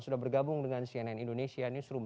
sudah bergabung dengan cnn indonesia newsroom